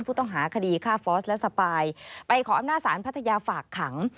ผู้ต้องหาคดีฆ่าฟอสและสปายไปขออำนาจศาลพัทยาฝากขัง